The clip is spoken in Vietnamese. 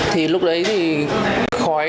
thì lúc đấy thì khói